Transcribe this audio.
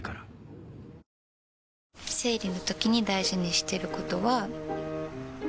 生理のときに大事にしてることは。